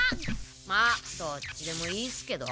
まあどっちでもいいっすけど。